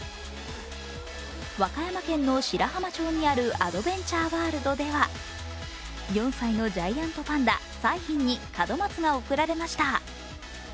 和歌山県の白浜町にあるアドベンチャーワールドでは４歳のジャイアントパンダ・彩浜に門松が贈られました。